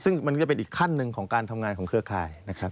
ซึ่งมันก็เป็นอีกขั้นหนึ่งของการทำงานของเครือข่ายนะครับ